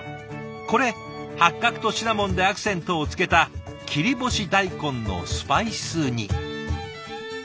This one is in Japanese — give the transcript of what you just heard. これ八角とシナモンでアクセントをつけた切り干し大根のスパイス煮。